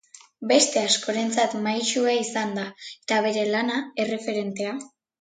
Beste askorentzat maisua izan da eta bere lana erreferentea.